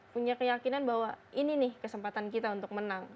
punya keyakinan bahwa ini nih kesempatan kita untuk menang